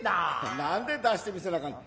何で出して見せなあかんねん。